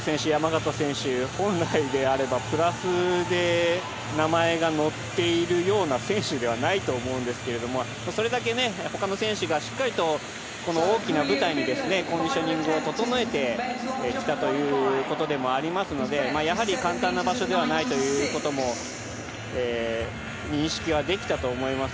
ブロメル選手、山縣選手、本来であればプラス名前が載っているような選手ではないと思うんですけど、それだけ他の選手がしっかりと大きな舞台にコンディショニングを整えてきたということでもありますので、やはり簡単な場所ではないということも認識はできたと思います。